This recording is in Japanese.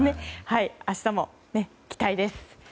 明日も期待です。